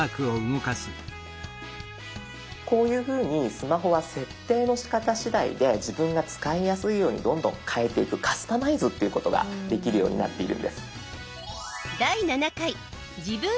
こういうふうにスマホは設定のしかたしだいで自分が使いやすいようにドンドン変えていくカスタマイズっていうことができるようになっているんです。